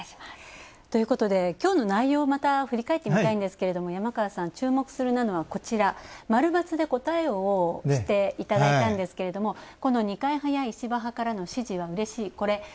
きょうの内容をまた振り返ってみたいんですけども、山川さん注目するのは○×で答えをしていただいたんですけれど「二階派や石破派からの支持はうれしい」。